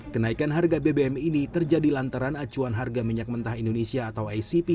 kenaikan harga bbm ini terjadi lantaran acuan harga minyak mentah indonesia atau icp